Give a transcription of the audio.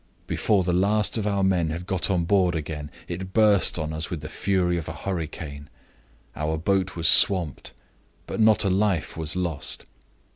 Before the last of our men had got on board again, it burst on us with the fury of a hurricane. Our boat was swamped, but not a life was lost.